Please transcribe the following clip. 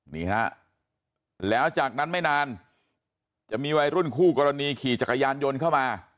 นี่ฮะแล้วจากนั้นไม่นานจะมีวัยรุ่นคู่กรณีขี่จักรยานยนต์เข้ามา